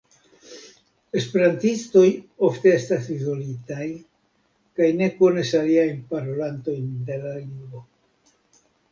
Esperantistoj ofte estas izolitaj kaj ne konas aliajn parolantojn de la lingvo.